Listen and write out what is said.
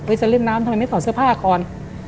อ๊ะจำเรื่องน้ำทำไมไม่ถอดเสื้อผ้าก่อน